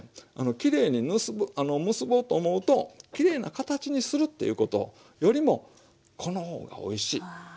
きれいに結ぼうと思うときれいな形にするっていうことよりもこの方がおいしい。